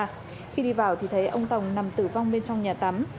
khi đi vào thì thấy ông tòng nằm tử vong bên trong nhà tắm